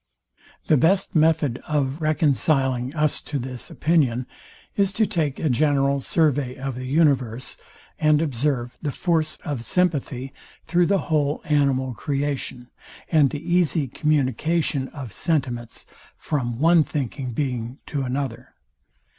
The best method of reconciling us to this opinion is to take a general survey of the universe, and observe the force of sympathy through the whole animal creation, and the easy communication of sentiments from one thinking being to another.